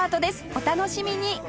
お楽しみに！